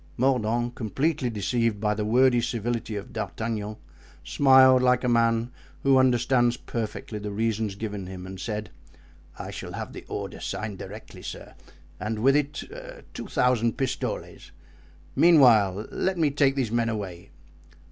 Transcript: Mordaunt, completely deceived by the wordy civility of D'Artagnan, smiled like a man who understands perfectly the reasons given him, and said: "I shall have the order signed directly, sir, and with it two thousand pistoles; meanwhile, let me take these men away."